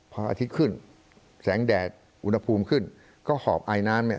พออาทิตย์ขึ้นแสงแดดอุณหภูมิขึ้นก็หอบไอน้ำเนี่ย